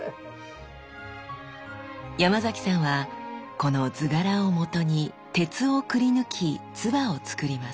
山崎さんはこの図柄をもとに鉄をくりぬき鐔をつくります。